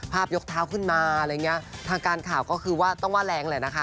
ภาพยกเท้าขึ้นมาแหละเข้าใจแหละ